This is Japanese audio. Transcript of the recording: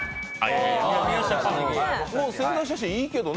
宣材写真、いいけどね。